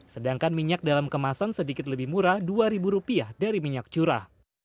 sedangkan minyak dalam kemasan sedikit lebih murah rp dua dari minyak curah